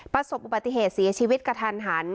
ประสบอุบัติเหตุเสียชีวิตกระทันหัน